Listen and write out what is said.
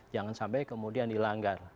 jangan sampai kemudian dilanggar